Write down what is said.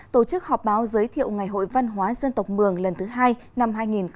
tổ chức họp báo giới thiệu ngày hội văn hóa dân tộc mường lần thứ hai năm hai nghìn hai mươi